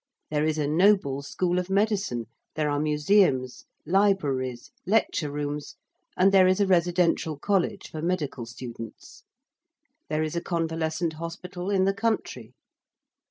There is a noble school of medicine: there are museums, libraries, lecture rooms, and there is a residential college for medical students: there is a convalescent hospital in the country.